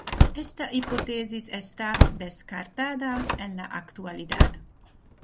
Esta hipótesis está descartada en la actualidad.